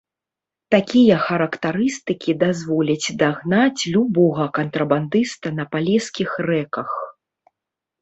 Такія характарыстыкі дазволяць дагнаць любога кантрабандыста на палескіх рэках.